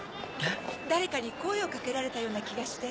誰かに声を掛けられたような気がして。